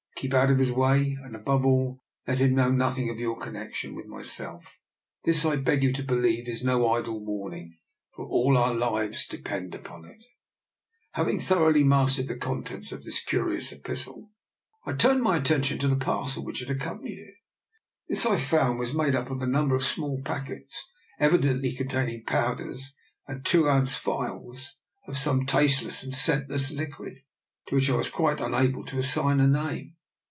Keep out of his way, and above all let him know nothing of your connection with myself. This, I beg you to believe, is no idle warning, for all our lives depend upon it." 70 DR. NIKOLA'S EXPERIMENT. Having thoroughly mastered the contents of this curious epistle, I turned my attention to the parcel which had accompanied it. This I found was made up of a number of small packets evidently containing powders, and two ounce phials of some tasteless and scentless liquid, to which I was quite unable to assign a name.